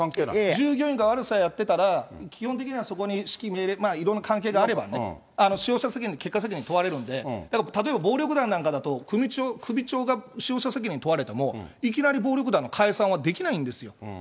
従業員が悪さやってたら、基本的にはそこに指揮命令、いろんな関係があればね、使用者責任、結果責任問われるんで、だから、例えば暴力団なんかだと、組長が使用者責任問われても、いきなり暴力団の解散はできないんですよ。